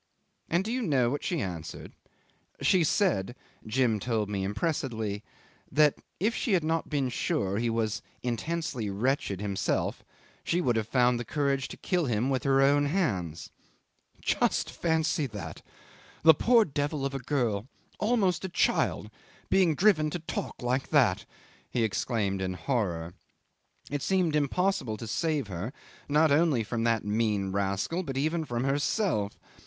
And do you know what she answered? She said Jim told me impressively that if she had not been sure he was intensely wretched himself, she would have found the courage to kill him with her own hands. "Just fancy that! The poor devil of a girl, almost a child, being driven to talk like that," he exclaimed in horror. It seemed impossible to save her not only from that mean rascal but even from herself!